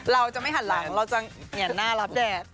เราจะไม่หันหลังเราจะเหงียนหน้ารับแดด